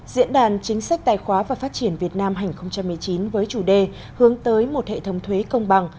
diễn đàn chính sách tài khoá và phát triển việt nam hai nghìn một mươi chín với chủ đề hướng tới một hệ thống thuế công bằng